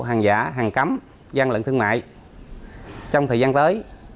hàng giả hàng cấm gian lận thương mại trong thời gian tới